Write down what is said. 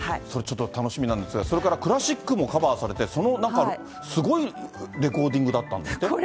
それ、ちょっと楽しみなんですが、それからクラシックもカバーされて、すごいレコーディングだったんですって？